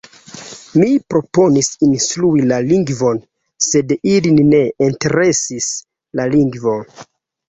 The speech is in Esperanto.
Mi proponis instrui la lingvon sed ilin ne interesis la lingvo.